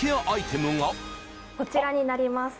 こちらになります。